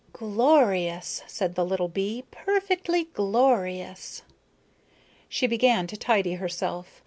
"Glorious," said the little bee, "perfectly glorious." She began to tidy herself.